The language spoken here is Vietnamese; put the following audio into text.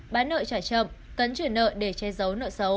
bán nợ trả chậm cấn trử nợ để che giấu nợ xấu